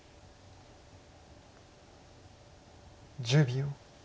１０秒。